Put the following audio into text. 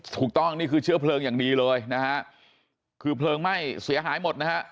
ถูกต้องนี่คือเชื้อเพลิงอย่างดีเลยนะฮะคือเพลิงไหม้เสียหายหมดนะฮะ